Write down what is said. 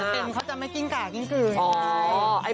อาหารเป็นเขาจะมากิ้นกะกิ๊นกืน